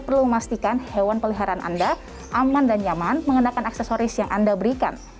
perlu memastikan hewan peliharaan anda aman dan nyaman menggunakan aksesoris yang anda berikan